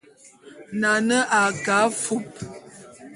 Nane a ke afúp.